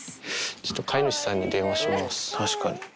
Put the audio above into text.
ちょっと飼い主さんに電話し確かに。